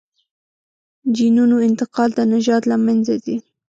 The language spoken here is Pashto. جینونو انتقال د نژاد له منځه ځي.